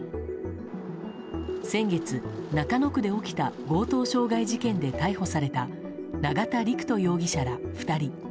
先月、中野区で起きた強盗傷害事件で逮捕された永田陸人容疑者ら２人。